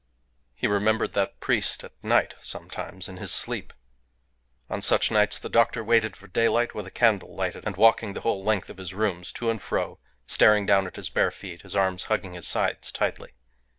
He remembered that priest at night, sometimes, in his sleep. On such nights the doctor waited for daylight with a candle lighted, and walking the whole length of his rooms to and fro, staring down at his bare feet, his arms hugging his sides tightly.